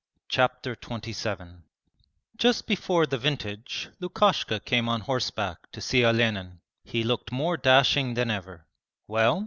Chapter XXVII Just before the vintage Lukashka came on horseback to see Olenin. He looked more dashing than ever. 'Well?